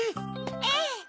ええ。